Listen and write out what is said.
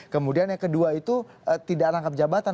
kemudian yang kedua itu tidak rangkap jabatan